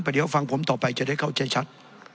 เดี๋ยวฟังผมต่อไปจะได้เข้าใจชัด